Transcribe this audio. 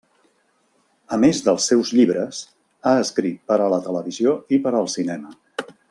A més dels seus llibres, ha escrit per a la televisió i per al cinema.